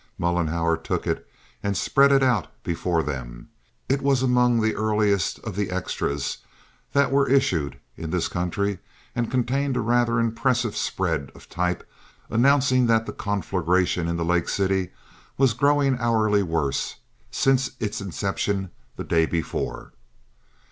Mollenhauer took it and spread it out before them. It was among the earliest of the "extras" that were issued in this country, and contained a rather impressive spread of type announcing that the conflagration in the lake city was growing hourly worse since its inception the day before.